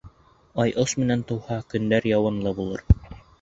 Ай ос менән тыуһа, көндәр яуынлы булыр.